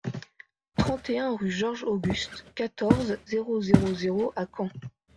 trente et un rue Georges Auguste, quatorze, zéro zéro zéro à Caen